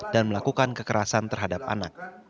dan melakukan kekerasan terhadap anak